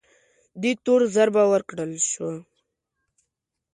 دې تور ضربه ورکړل شوه